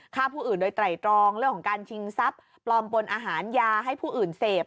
ฆ่าผู้อื่นโดยไตรตรองเรื่องของการชิงทรัพย์ปลอมปนอาหารยาให้ผู้อื่นเสพ